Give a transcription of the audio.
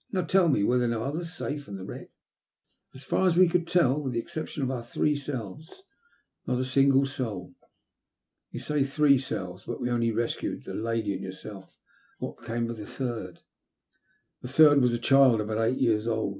And now tell me, were no others saved from the wreck ?"'' As far as we could tell, with the exception of our three selves, not a single soul." You say * three selves,' but we only rescued the lady and yourself. What, then, became of the third ?"" The third was a child about eight years old.